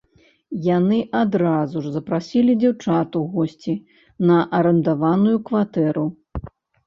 Яны адразу ж запрасілі дзяўчат у госці на арандаваную кватэру.